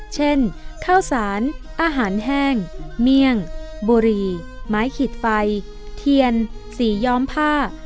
เช่นข้าวสารอาหารแห้งเมี่ยงบุรีไม้ขีดไฟเทียนสีย้อมผ้า